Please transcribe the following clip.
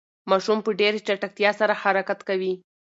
ماشوم په ډېرې چټکتیا سره حرکت کوي.